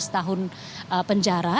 dua belas tahun penjara